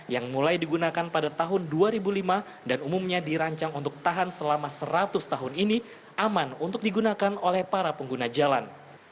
yang mulai digunakan pada tahun dua ribu lima dan umumnya dirancang untuk tahan selama seratus tahun ini aman untuk digunakan oleh para pengguna jalan